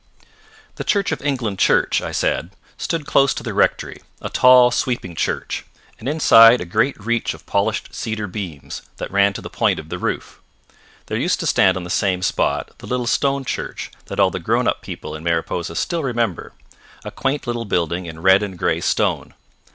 The Church of England Church, I said; stood close to the rectory, a tall, sweeping church, and inside a great reach of polished cedar beams that ran to the point of the roof. There used to stand on the same spot the little stone church that all the grown up people in Mariposa still remember, a quaint little building in red and grey stone.